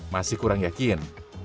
masih kurang yakin